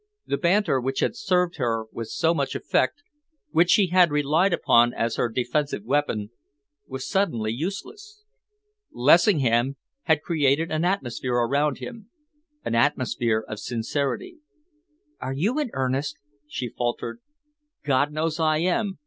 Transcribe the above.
The banter which had served her with so much effect, which she had relied upon as her defensive weapon, was suddenly useless. Lessingham had created an atmosphere around him, an atmosphere of sincerity. "Are you in earnest?" she faltered. "God knows I am!"